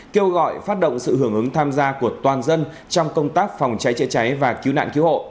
kêu gọi phát động sự hưởng ứng tham gia của toàn dân trong công tác phòng cháy chữa cháy và cứu nạn cứu hộ